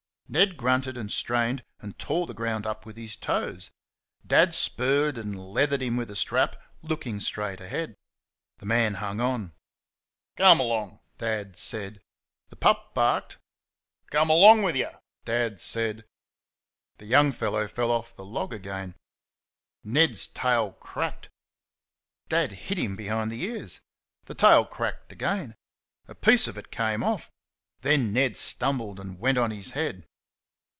Ned grunted and strained and tore the ground up with his toes; Dad spurred and leathered him with a strap, looking straight ahead. The man hung on. "Come 'long," Dad said. The pup barked. "COME 'long with YER!" Dad said. The young fellow fell off the log again. Ned's tail cracked. Dad hit him between the ears. The tail cracked again. A piece of it came off; then Ned stumbled and went on his head.